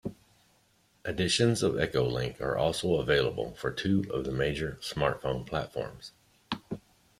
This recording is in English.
Editions of EchoLink are also available for two of the major smartphone platforms.